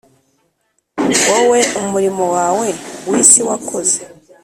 wowe umurimo wawe w'isi wakoze,